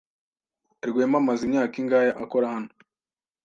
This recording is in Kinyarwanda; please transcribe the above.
Rwema amaze imyaka ingahe akora hano?